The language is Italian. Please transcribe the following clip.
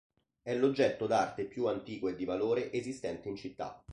È l'oggetto d'arte più antico e di valore esistente in città.